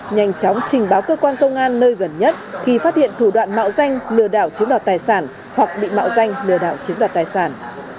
nhanh chóng trình báo cơ quan công an nơi gần nhất khi phát hiện thủ đoạn mạo danh lừa đảo chiếm đoạt tài sản hoặc bị mạo danh lừa đảo chiếm đoạt tài sản